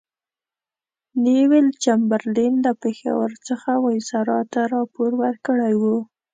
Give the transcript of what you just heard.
نیویل چمبرلین له پېښور څخه وایسرا ته راپور ورکړی وو.